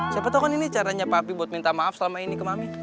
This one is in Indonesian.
siapa tau kan ini caranya pak ami buat minta maaf selama ini ke mami